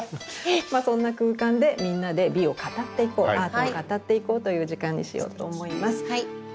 まあそんな空間でみんなで美を語っていこうアートを語っていこうという時間にしようと思います。